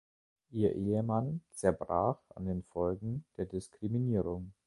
Ihr Ehemann zerbrach an den Folgen der Diskriminierung.